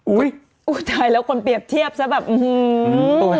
อุ้ยตายแล้วคนเปรียบเทียบซะแบบอื้อหือ